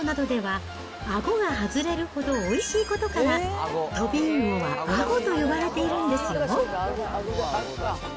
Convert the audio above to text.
ちなみに山陰地方などでは、あごが外れるほどおいしいことから、トビウオはアゴと呼ばれているんですよ。